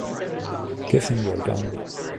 Give him your gun.